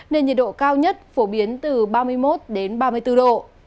nên nhiệt độ cao nhất phổ biến từ ba mươi một ba mươi bốn độ